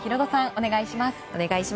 お願いします。